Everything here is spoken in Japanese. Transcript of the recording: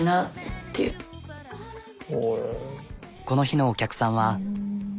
この日のお客さんは。